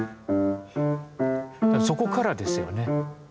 そこからですよね。